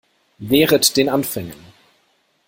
Wehret den Anfängen.